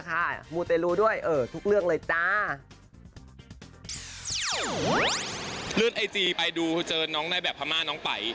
ผมดูอีจีไปดูเจอน้องไนแบบพะมานน้องปั๋ย